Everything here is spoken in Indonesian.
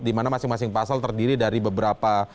dimana masing masing pasal terdiri dari beberapa